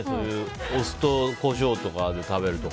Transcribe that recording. お酢とコショウとかで食べるとか。